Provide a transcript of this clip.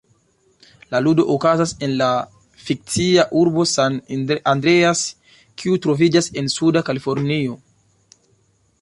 La ludo okazas en la fikcia urbo San Andreas, kiu troviĝas en Suda Kalifornio.